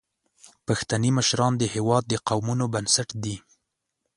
پښتني مشران د هیواد د قومونو بنسټ دي.